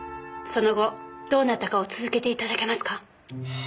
その後どうなったかを続けて頂けますか。